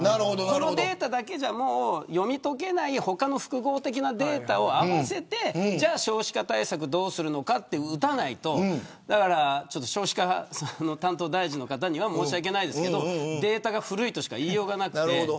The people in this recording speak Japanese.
このデータだけじゃ読み解けない他の複合的なデータを合わせてじゃあ少子化対策どうするのかと打たないと少子化担当大臣の方には申し訳ないですがデータが古いとしか言いようがなくて。